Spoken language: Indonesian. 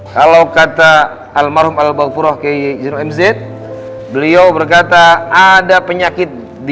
kalau kata almarhum al bauburroh hani isoles z dia berkata ada penyakit di